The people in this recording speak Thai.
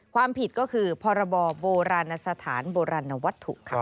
ความผิดก็คือพบวข